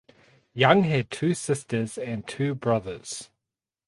Young had two sisters and two brothers.